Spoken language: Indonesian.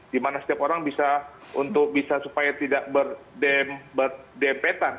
di mana setiap orang bisa supaya tidak berdempetan